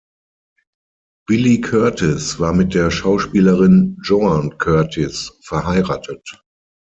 Billy Curtis war mit der Schauspielerin Joan Curtis verheiratet.